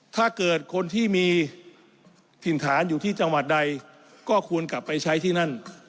ถ้าเกิดคนที่มีถิ่นฐานอยู่ที่จังหวัดใดก็ควรกลับไปใช้ที่นั่น